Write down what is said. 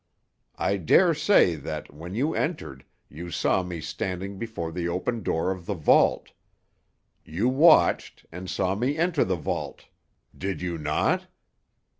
I dare say that, when you entered you saw me standing before the open door of the vault. You watched, and saw me enter the vault. Did you not?